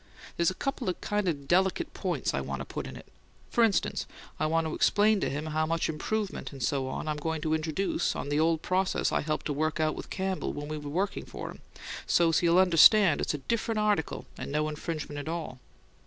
There's a couple of kind of delicate points I want to put in it: for instance, I want to explain to him how much improvement and so on I'm going to introduce on the old process I helped to work out with Campbell when we were working for him, so't he'll understand it's a different article and no infringement at all.